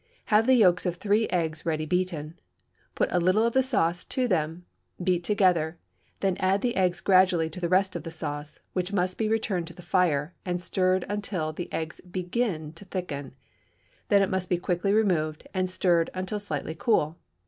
Have the yolks of three eggs ready beaten, put a little of the sauce to them, beat together, then add the eggs gradually to the rest of the sauce, which must be returned to the fire, and stirred until the eggs begin to thicken; then it must be quickly removed, and stirred until slightly cool.